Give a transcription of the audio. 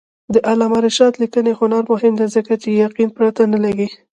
د علامه رشاد لیکنی هنر مهم دی ځکه چې یقین پرته نه لیکي.